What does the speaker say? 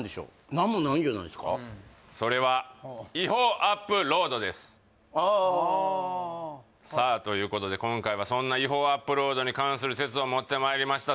何もないんじゃないですかそれはああああさあということで今回はそんな違法アップロードに関する説を持ってまいりました